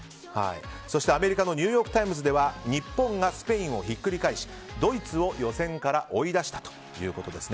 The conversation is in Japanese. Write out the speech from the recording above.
そして、アメリカのニューヨーク・タイムズでは日本がスペインをひっくり返しドイツを予選から追い出したということですね。